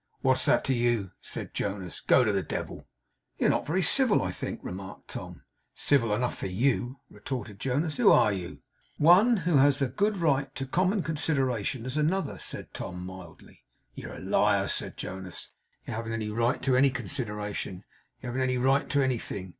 'What's that to you?' said Jonas. 'Go to the devil!' 'You are not very civil, I think,' remarked Tom. 'Civil enough for YOU,' retorted Jonas. 'Who are you?' 'One who has as good a right to common consideration as another,' said Tom mildly. 'You're a liar,' said Jonas. 'You haven't a right to any consideration. You haven't a right to anything.